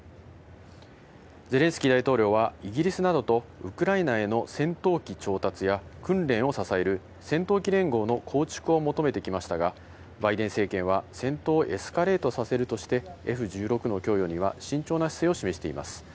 ゼレンスキー大統領は、イギリスなどとウクライナへの戦闘機調達や訓練を支える戦闘機連合の構築を求めてきましたが、バイデン政権は戦闘をエスカレートさせるとして、Ｆ１６の供与には慎重な姿勢を示しています。